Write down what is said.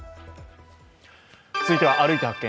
続いては、「歩いて発見！